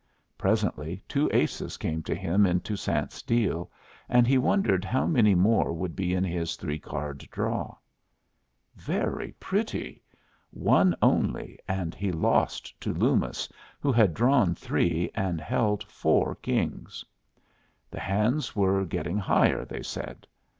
Presently two aces came to him in Toussaint's deal, and he wondered how many more would be in his three card draw. Very pretty! One only, and he lost to Loomis, who had drawn three, and held four kings. The hands were getting higher, they said.